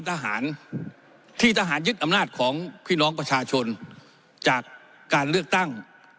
ทหารที่ทหารยึดอำนาจของพี่น้องประชาชนจากการเลือกตั้ง